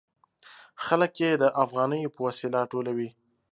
خلک یې د افغانیو په وسیله ټولوي.